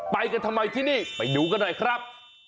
ไปกันทำไมที่นี่ไปดูกันหน่อยครับ